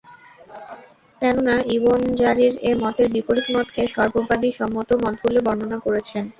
কেননা, Ibn Jarir এ মতের বিপরীত মতকে সর্ববাদী সম্মত মত বলে বর্ণনা করেছেন।